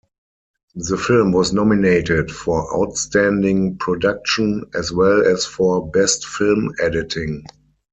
The film was nominated for Outstanding Production, as well as for Best Film Editing.